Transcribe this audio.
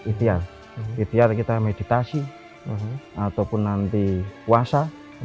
ikhtiar kita meditasi ataupun nanti puasa